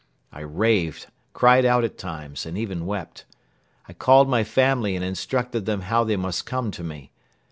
I raved, cried out at times and even wept. I called my family and instructed them how they must come to me.